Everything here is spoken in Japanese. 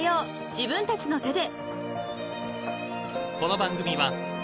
自分たちの手で］